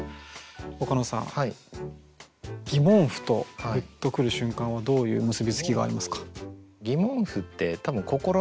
岡野さん「疑問符」と「グッとくる瞬間」はどういう結び付きがありますか？